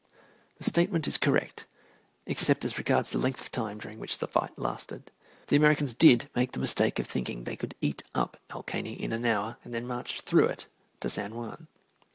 The statement is correct except as regards the length of time during which the fight lasted. The Americans did make the mistake of thinking they could eat up El Caney in an hour and then march through it to San Juan.